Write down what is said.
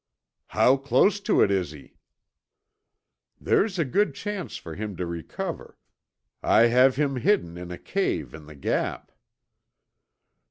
"How close to it is he?" "There's a good chance for him to recover. I have him hidden in a cave in the Gap."